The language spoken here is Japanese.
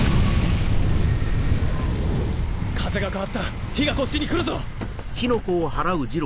風が変わった火がこっちに来るぞ！